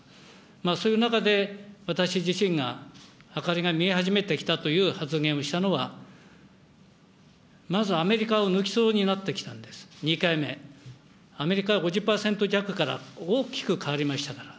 そういう中で、私自身が明かりが見え始めてきたという発言をしたのは、まずアメリカを抜きそうになってきたんです、２回目、アメリカは５０％弱から大きく変わりましたから。